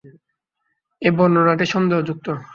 এই বর্ণনাটি সন্দেহযুক্ত।